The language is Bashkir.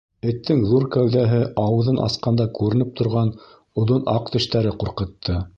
Эттең ҙур кәүҙәһе, ауыҙын асҡанда күренеп торған оҙон аҡ тештәре ҡурҡытты.